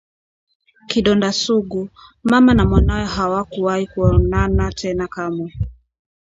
Kidonda sugu… Mama na mwanawe hawakuwahi kuonana tena kamwe